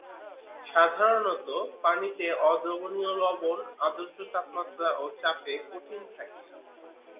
সাধারণত, পানিতে অদ্রবণীয় লবণ আদর্শ তাপমাত্রা ও চাপে কঠিন থাকে।